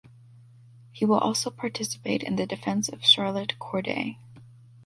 He will also participate in the defense of Charlotte Corday.